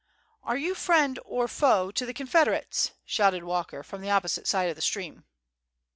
"Are you friend or foe to the Confederates?" shouted Walker, from the opposite side of the stream.